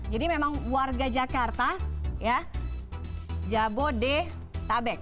jadi memang warga jakarta jabodetabek